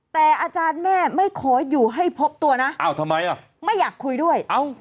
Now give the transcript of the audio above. แต่อาจารย์แม่ไม่ขออยู่ให้พบตัวนะอ้าวทำไมอ่ะไม่อยากคุยด้วยเอ้า